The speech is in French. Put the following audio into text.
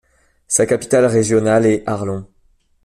Sa capitale régionale est Arlon.